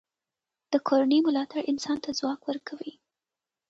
د کورنۍ ملاتړ انسان ته ځواک ورکوي.